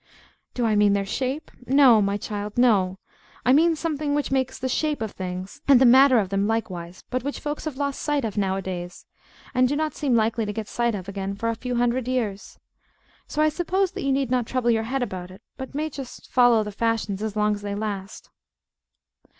Do I mean their shape? No, my child; no. I mean something which makes the shape of things, and the matter of them likewise, but which folks have lost sight of nowadays, and do not seem likely to get sight of again for a few hundred years. So I suppose that you need not trouble your head about it, but may just follow the fashions as long as they last.